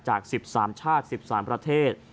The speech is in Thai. จาก๑๓ชาติ๑๓ประเทศ